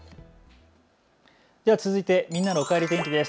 では続いてみんなのおかえり天気です。